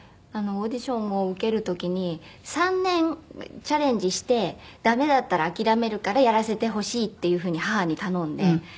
オーディションを受ける時に「３年チャレンジして駄目だったら諦めるからやらせてほしい」っていうふうに母に頼んで。